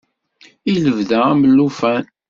I lebda am llufan.